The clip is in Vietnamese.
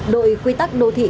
đội quy tắc đô thị